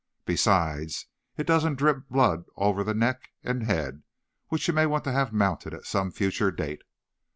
Besides, it doesn't drip blood over the neck and head, which you may want to have mounted at some future date.